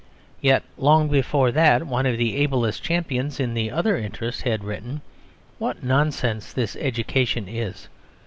Yet long before that one of the ablest champions in the other interest had written "What nonsense this education is!